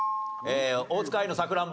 大塚愛の『さくらんぼ』。